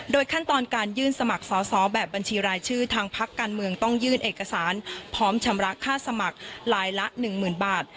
ขั้นตอนการยื่นสมัครสอบแบบบัญชีรายชื่อทางพักการเมืองต้องยื่นเอกสารพร้อมชำระค่าสมัครลายละ๑๐๐๐บาท